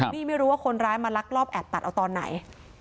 นี่ไม่รู้ว่าคนร้ายมาลักลอบแอบตัดเอาตอนไหน